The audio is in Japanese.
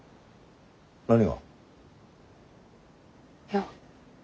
何が？いや。